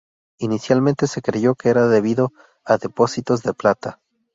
Inicialmente se creyó que era debido a depósitos de plata.